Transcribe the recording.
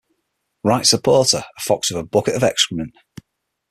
Right Supporter a fox with a bucket of excrement.